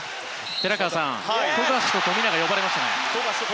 寺川さん、富樫と富永が呼ばれました。